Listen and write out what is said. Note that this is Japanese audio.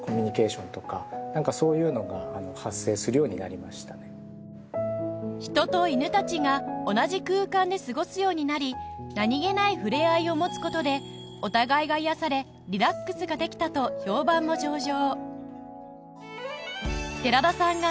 寺田さんの人と犬たちが同じ空間で過ごすようになり何げない触れ合いを持つ事でお互いが癒やされリラックスができたと評判も上々